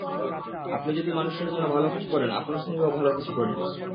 আপনি যদি মানুষের জন্য ভালো কিছু করেন, আপনার সঙ্গেও ভালো কিছু ঘটবে।